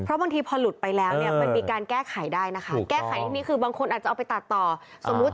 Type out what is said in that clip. เพราะบางทีพอหลุดไปแล้วมันมีการแก้ไขได้แก้ไขที่นี้คือบางคนอาจจะเอาไปตัดต่อ